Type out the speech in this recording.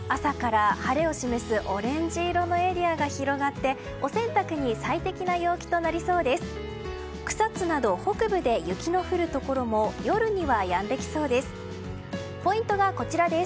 朝から晴れを示すオレンジ色のエリアが広がってお洗濯に最適な陽気となりそうです。